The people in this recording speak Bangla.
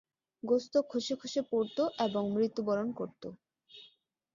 গোশত খসে খসে পড়ত এবং মৃত্যুবরণ করত।